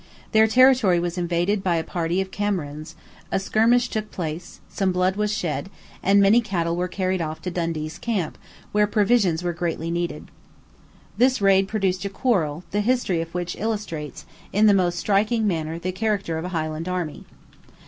Their territory was invaded by a party of Camerons: a skirmish took place: some blood was shed; and many cattle were carried off to Dundee's camp, where provisions were greatly needed. This raid produced a quarrel, the history of which illustrates in the most striking manner the character of a Highland army.